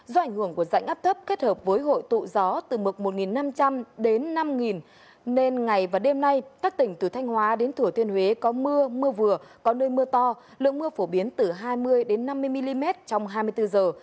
do ảnh hưởng của rãnh áp thấp kết hợp với hội tụ gió từ mực một năm trăm linh đến năm nên ngày và đêm nay các tỉnh từ thanh hóa đến thửa thiên huế có mưa mưa vừa có nơi mưa to lượng mưa phổ biến từ hai mươi năm mươi mm trong hai mươi bốn giờ